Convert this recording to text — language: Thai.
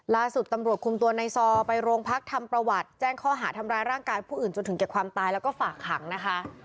ล่าสุดตำรวจคุมตัวในซอไปโรงพักทำประวัติแจ้งข้อหาทำร้ายร่างกายผู้อื่นจนถึงแก่ความตายแล้วก็ฝากขังนะคะ